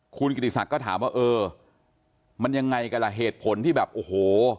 คุณกิติศักดิ์ก็ถามว่าเออมันยังไงกันล่ะเหตุผลที่แบบโอ้โห